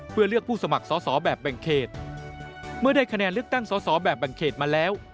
เพื่อเลือกผู้สมัครสอสอแบบแบ่งเขตเมื่อได้คะแนนเลือกตั้งสอสอแบบแบ่งเขตมาแล้ว